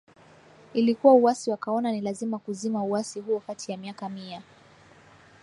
ilikuwa uasi Wakaona ni lazima kuzima uasi huo Kati ya miaka Mia